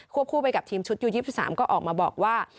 คู่ไปกับทีมชุดยู๒๓ก็ออกมาบอกว่า